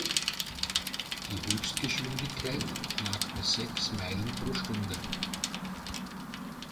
Die Höchstgeschwindigkeit lag bei sechs Meilen pro Stunde.